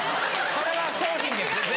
それは商品です。